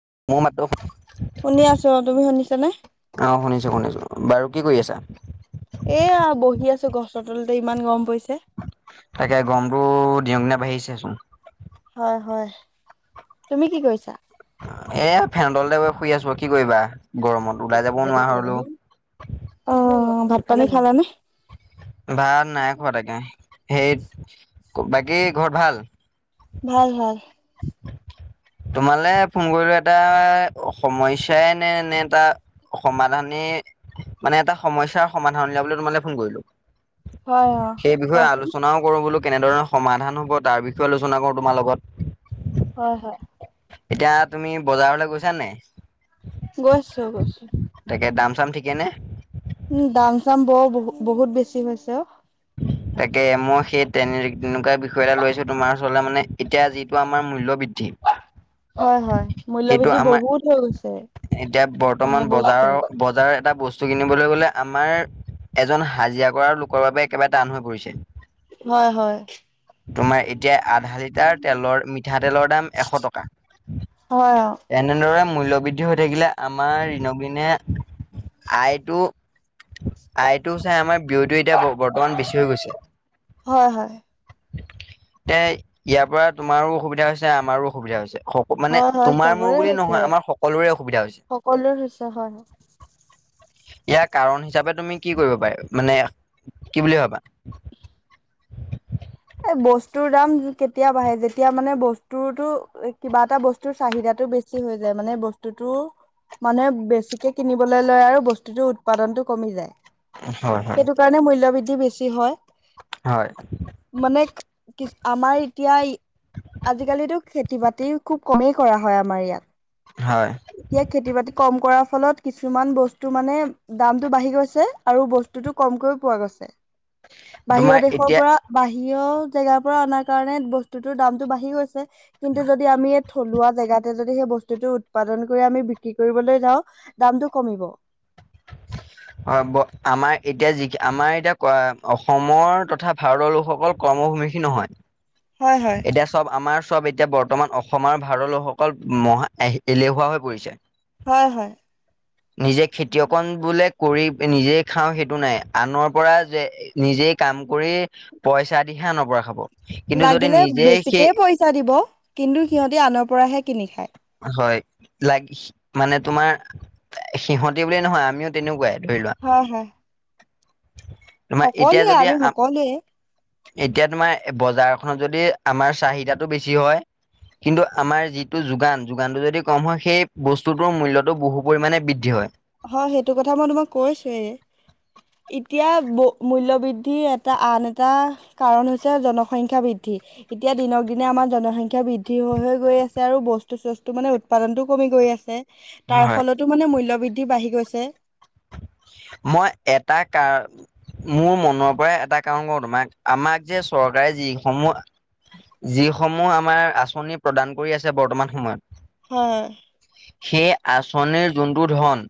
[unintelligible] শুনি আছো তুমি শুনিছানে। অ শুনিছো শুনিছো বাৰু কি কৰি আছা? এয়া বহি আছো গছৰ তলতে ইমান গৰম পইছে। তাকে গৰমটো দিনক দিনে বাঢ়িছেচোন। হয় হয় তুমি কি কৰিছা? এ ফেডলতে গ শুই আছো কি কৰিবা। গৰমত ওলাই যাবও নোৱাৰালো। অ' ভাত পানী খালানে? ভাত নাই খোৱা তাকে সেই বাকী ঘৰত ভাল। ভাল ভাল। [inaudible] তোমালে ফোন কৰিলো এটা সমস্যাই নে নে এটা। সমাধানে মানে এটা সমস্যাৰ সমাধান উলিয়াবলৈ তোমালে ফোন কৰিলো। হয় অ সেই বিষয়ে কোৱাচোন আলোচনাও কৰো বুলি। কেনেধৰণৰ সমাধান হ'ব তাৰ বিষয়ে আলোচনা কৰো তোমাৰ লগত। হয় হয়। এতিয়া তুমি বজাৰলৈ গৈছ নে? গৈছো গৈছো। তাকে দাম চাম থঠিকে নে উম দাম চাম বৰ বহ বহুত বেছি হৈছে অ তাকে মই সেই তেনে তেনেকুৱা বিষয় এটা লৈছো তোমাৰ ওচৰতে মানে এতিয়া যিটো আমাৰ মূল্য় বৃদ্ধি ঠ অ হয় মূল্্য ভৃদ্ধি বহুত হৈ গৈছে এতিয়া মানে বৰ্তমান বস্তু বজাৰৰ বজাৰৰ এটা বস্তু বস্তু কিনিবলৈ গলে আমাৰ এজন হাজিৰা কৰা লোকৰ বাবে একেবাৰে টান হৈ পৰিছে হয় হয় তোমাৰ এতিয়া আধা লিটাৰ তেলৰ ম পিঠাতেলৰ দাম এশ টকা হয় অ এনেদৰে মূল্্য বৃদ্ধি হৈ থাকিলে আমাৰ ঋণবিনে আইতটো আইতটো চাই আমাৰ বিতটো এতিয়া বৰ অন বেছি হৈ গৈছে হয় হয় তে ইয়াৰ পৰা তোমাৰো অসুবিধা হৈছে আমাৰো অসুবিধা হৈছে স মানে হয় হয় তোমাৰ মোৰ চবৰে বুলি হৈছে নহয় আমাৰ সকলোৰে অসুবিধা হৈছে সকলোৰে হৈছে হয় ইয়াৰ কাৰণ হিচাপে তুমি কি কৰিব পাৰে মানে কি বুলিুলিয়ে ভাবা এ বস্তুৰ দাম কেতিয়া বাঢ়ে যেতিয়া মানে বস্তুতো কিবা এটা বস্তুৰ চাহিদা ো বেছি হৈ যায় মানে বস্তুতটো মানুে বেছিকে কিনিবলৈ লয় আৰু বস্তুতটো উৎপাদনতটো কমি যায় হয় হয়। সেইটো কাৰণে মূল্্যয় বৃদ্ধি বেছি হয় হয় মানে কি আমাৰ এতিয়া আজিকালিতো খেতি বাতি খুব কমেই কৰা হয় আমাৰ ইয়াত হয় এতিয়া খেতি বাতি কম কৰা ফলত কিছুমান বস্তু মানে দামতটো বাঢ়ি গৈছে আৰু বস্তুতটো কমকৈও পোৱা গৈছে তোমাৰ বাহিৰ দেশৰ এতিয়া পৰা বাহিৰ জেগাৰ পৰা অনাৰ কাৰণে বস্তুতৰ দামতটো বাঢ়ি গৈছে কিন্তু যদি আমি এই থলুৱা জেগাতে যদি সেই বস্তুতটো উৎপাদন কৰি আমি বিক্ৰী কৰিবলৈ যাওঁ দামটো কমিব হয় আমাৰ এতিয়া যি আমাৰ এতিয়া ক অসমৰ তথা ভাৰতৰ লোকসকল কৰ্মভূমিখিন নহয় হয় হয়। এতিয়া চব আমাৰ চব এতিয়া বৰ্তমান অসম আৰু ভাৰৰ লোকসকল মহা এলেহুৱা হৈ পৰিছে হয় হয় নিজে খেতিয়কন বোলে কৰি নিজেই খাওঁ সেইটো নাই আনৰ পৰা যে নিজেই কাম কৰি পইচা দিহে আনৰবৰা খাব কিন্তু যদি লাগিলে নিজেই সেই সিহঁতে আনৰ পৰাহে কিনি খায়। হয় লাগ মানে তোমাৰ সিহতি বুলিয়ে নহয় আমিও তেনেকুৱাই ধৰি লোৱা হা হা তোমাৰ এতিয়া যদি আ সকলোৱে এতিয়া তোমাৰ বজাৰখনত যদি আমাৰ চাহিদাটো বেছি হয় কিন্তু আমাৰ যিটো যোগান যোগানটো যদি কম হয় সেই বস্তুটোৰ মূল্যটো বহু পৰিমাণে বৃদ্ধি হয় হয় সেইটো কথা মই তোমাক কৈছোয়েই এতিয়া মূল্য বৃদ্ধিৰ এটা আন এটা কাৰণ হৈছে জনসংখ্য্া বৃদ্ধি এতিয়া দিনক দিনে আমাৰ জনসংখ্য্া বৃদ্ধি হৈ হৈ গৈ আছে আৰু বস্তু চস্তু মানে উৎপাদনতটো কমি গৈ আছে তাৰ হয়। ফলতো মানে মূল্্য বৃদ্ধি বাঢ়ি গৈছে মই এটা কাৰ মোৰ মনৰ পৰাই এটা কাৰণ কৰো তোমাক আমাক যে চৰকাৰে যিসমূহ যিসমূহ আমাৰ আঁচনি প্ৰদান কৰি আছে বৰ্তমান সময়ত হ সেই আঁচনিৰ যোনটো ধন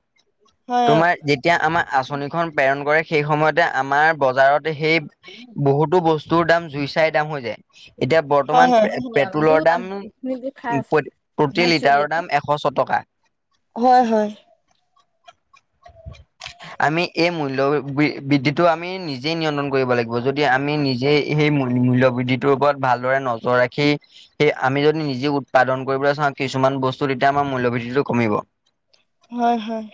হয় তোমাৰ যেতিয়া আমাৰ আচনিখনন প্ৰেৰণ কৰে সেই সময়তে আমাৰ বজাৰতে সেই বহুতো বস্তু তৰ দাম জুই চাই দাম হৈ যায় এতিয়া হয় বৰ্তমান হয় হয় পেট্ৰলৰ দাম প্ৰতি লিটাৰৰ দাম এশশ ক টকা হয় হয় আমি এই মূল্য় বৃদ্ধিটো আমি নিজে নিয়ন্ত্ৰণ কৰিব লাগিব যদি আমি নিজে সেই মূল্য় বৃদ্ধি তৰ ওপৰত ভালদৰে নজৰ ৰাখি স আমি যদি নিজে উৎপাদন কৰিবলৈ চাওঁ কিু কিছুমান বস্তু তেতিয়া আমাৰ মূল্যবৃদ্ধিটো কমিব হয় হয়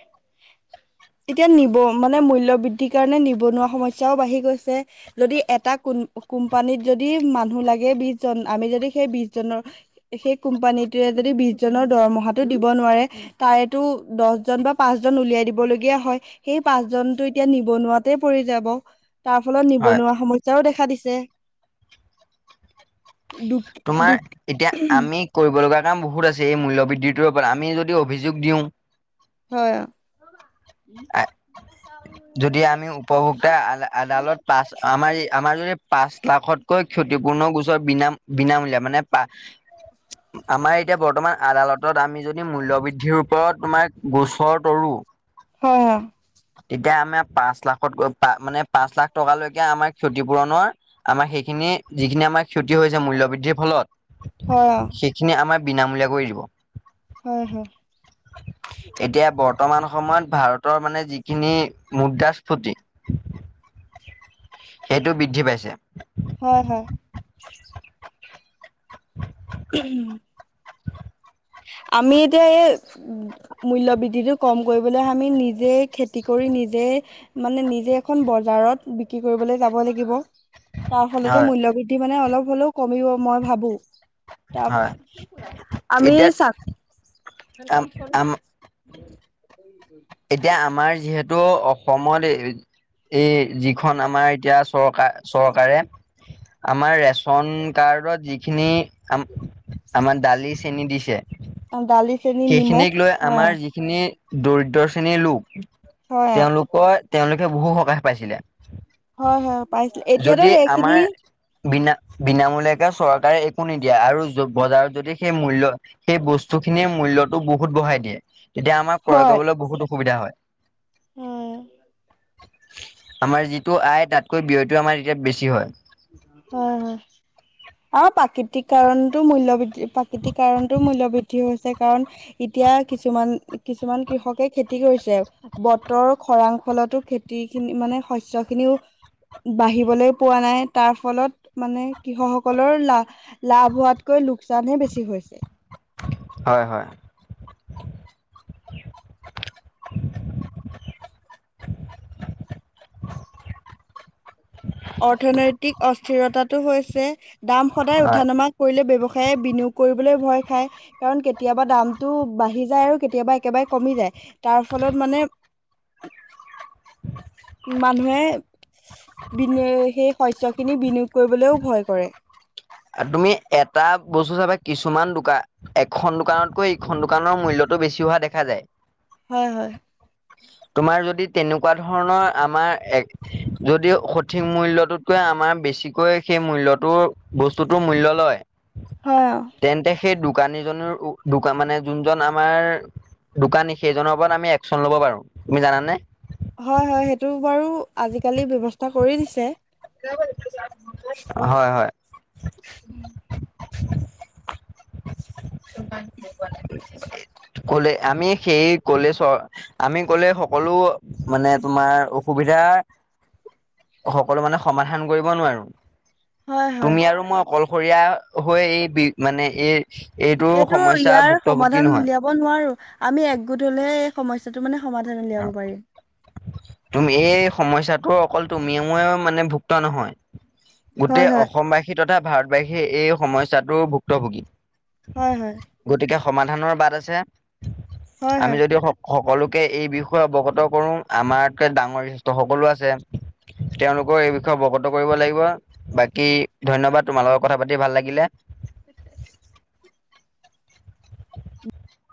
এতিয়া নিব মানে মূল্য় বৃদ্ধিৰ কাৰণে নিবনুৱা সমস্য়াও বাঢ়ি গৈছে যদি এটা কোন কোম্পানীত যদি মানুহ লাগে বিশ জন আমি যদি সেই বিশজনৰ সেই কোম্পানীটয়ে যদি বিশজনৰ দৰমহাটো দিব নোৱাৰে তাই টো দহজন বা পাঁচজন উলিয়াই দিবলগীয়া হয় সেই পাঁচজনতটো এতিয়া নিবনুৱাতে পৰি যাব তাৰ ফলত হয় নিবনুৱা সমস্যাও দেখা দিছে দুখ তোমাৰ দুখ এতিয়া আমি কৰিব লগা াম বহুত আছে এই মূল্য বৃদ্ধিটোৰ ওপৰত আমি যদি অভিযোগ দিওঁ হয় যদি আমি উপভোক্তা আদালত পাঁচ আমাৰ আমাৰ যদি পাঁচ লাখত কৈ ক্ষতিপূৰ্ণ গোচৰ বিনাম বিনামূলীয়া মানে প আমাৰ এতিয়া বৰ্তমান আদালতত আমি যদি মূল্য় বৃদ্ধিৰ ওপৰত তোমাৰ গোচৰ তৰো হয় হয় তেতিয়া আমাৰ পাঁচ লাখতক মানে পাঁচ লাখ টকালৈকে আমাৰ ক্ষতিপূৰণৰ আমাৰ সেইখিনি যিখিনি আমাৰ ক্ষতি হৈছে মূল্য বৃদ্ধিৰ ফলত হয় সেইখিনি আমাৰ বিনামূলীয়া কৰি দিব হয় হয় এতিয়া বৰ্তমান সময়ত ভাৰতৰ মানে যি খিনি মুদ্ৰাস্ফুটি সেইটো বৃদ্ধি পাইছে হয় হয় উম আমি এতিয়া এই মূল্য় বৃদ্ধিটো কম কৰিবলৈ আমি নিজে খেতি কৰি নিজে মানে নিজে এখন বজাৰত বিক্ৰী কৰিবলৈ যাব লাগিব তাৰ ফলতো হয় মূল্্য বৃদ্ধি মানে অলপ হ'লেও কমিব মই ভাবো ত হয় আমি এতিয়া ঘ আম কাম থৰি আম দ এতিয়া আমাৰ যিহেতু অসমত এই যিখন আমাৰ এতিয়া চৰকাৰ চৰকাৰে আমাৰ ৰেচন কাৰ্ডৰ যিখিনি আমাৰ দালি চেনি দিছে দালি চেনি নিমখ সেইখিনিক লৈ হয় আমাৰ যিখিনি দৰিদ্ৰ শ্ৰেণীৰ লোক হয় তেওঁলোকৰ তেওঁলোকে বহু সকাহ পাইছিলে হয় হয় পাইছিলো এতিয়াতো যদি আমাৰ সেইখিনি বিনা বিনামূলাকে চৰকাৰে একো নিদিয়ে আৰু বজাৰত যদি সেই মূল্য় সেই বস্তু এইখিনিয়ে মূল্যত বহুতঢ়াই দিয়ে তেতিয়া আমাৰ ক্ৰয় হয় কৰিবলৈ বহুত অসুবিধা হয় আমাৰ যিটো আয় তাতকৈ ব্যয়তটো আমাৰ এতিয়া বেছি হয় হয় হয় অ প্ৰাকৃতিক কাৰণতো মূল্য় বৃদ্ধি প্ৰাকৃতিক কাৰনতটো মূল্য় বৃদ্ধি হৈছে কাৰণ এতি এতিয়া কিছুমান কিছুমান কৃষকে খেতি কৰিছে বতৰৰ খৰাং ফলতো খেতি খিন মানে শস্য খিনিও বাঢ়িবলৈ পোৱা নাই। তাৰ ফলত মানে কৃষকসকলৰ লা- লাভ হোৱাতকৈ ল লোকচানহে বেছি হৈছে। হয় - হয়। [inaudible] অৰ্থনৈতিক অস্থিৰতাটো হৈছে দাম সদায় হয় উঠা নমা কৰিলে ব্যৱসায়ে বিনিয়োগ কৰিবলৈ ভয় খাই কাৰণ কেতিয়াবা দামটো বাঢ়ি যায় আৰু কেতিয়াবা একেবাৰে কমি যায় তাৰ ফলত মানে। [inaudible] মানুহে বিনি সেই শস্যসিনী বিনিয়োগ কৰিবলৈও ভয় কৰে। তুমি এটা বস্তু চাবা কিছুমান দোকান এখন দোকানতকৈ এইখন দোকানৰ মূল্যত। টো বেছি হোৱা দেখা যায়। হয় - হয়। তোমাৰ যদি তেনেকুৱা ধৰণৰ আমাৰ এক যদি সঠিক মূল্যটোতকৈ আমাৰ বেছিকৈ সেই মূল্যটো বস্তুটো মূল্য লয়। অ', তেন্তে সেই দোকানী জনৰোকান মানে যোনজন আমাৰ দোকানী সেইজনৰ ওপৰত আমি একচন ল'ব প পাৰো তুমি জানে? হয় - হয় সেইটো বাৰু আজিকালি ব্যৱস্থা কৰি দিছে। হয় - হয়। [unintelligible] কলে আমি সেই কলে চ আমি কলে সকলো মানে তোমাৰ অসুবিধা এতিয়া সকলো মানে সমাধান কৰিব নোৱাৰো। হয় হয় তুমি আৰু মই অকলশৰীয়া হৈ এই বি মানে এই এইটো সমস্যা ইয়াৰ ভুক্তভুক্তি সমাধান নহয়। উলিয়াব নোৱাৰো আমি একগোট হলেহে এই সমস্যাতো মানে সমাধান উলিয়াব পাৰিম। তুমি এই সমস্যাত অকলটো তুমিয়ে ময়ে মানে ভুক্ত নহয় হয় গোটেই হয় অসমবাসী তথা ভাৰতবাশী এই সমস্যটো ভুক্তভোগী। হয় - হয়। গতিকে সমাধানৰ বাট আছে, হয় আমি হয়। যদিও স সকলোকে এই বি ষয় অৱগত কৰো আমাৰতকৈ ডাঙৰ বিশেষ্ঠ সকলো আছে। তেওলোকৰ এই বিষয়ে অৱগত কৰিব লাগিব বাকী ধন্যবাদ তোমাল লগত কথা পাতি ভাল লাগিলে।